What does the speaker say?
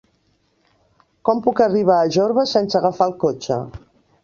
Com puc arribar a Jorba sense agafar el cotxe?